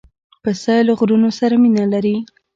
پسه له غرونو سره مینه لري.